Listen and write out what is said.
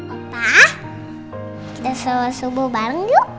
opah kita selamat subuh bareng yuk